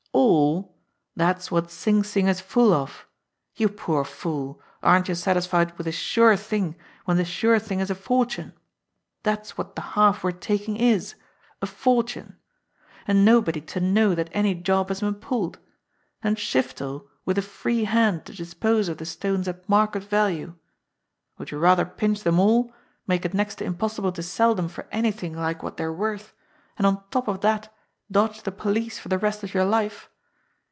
All ! That's what Sing Sing is full of ! You poor fool, aren't you satisfied with a sure thing when the sure thing is a fortune? That's what the half we're taking is a fortune. And nobody to know that any job has been pulled ; and Shif tel with a free hand to dispose of the stones at market value! Would you rather pinch them all, make it next to impossible to sell them for anything like what they're worth, and on top of that dodge the police for the rest of your life?